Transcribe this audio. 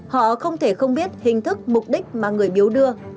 họ không thể không biết hình thức mục đích mà người biếu đưa